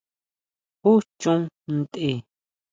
¿Jú chon ntʼe?